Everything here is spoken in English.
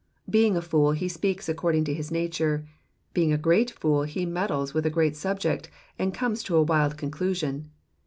Being a fool he speaks according to his nature ; being a great fool he meddles with a great subject, and comes to a wild conclusion.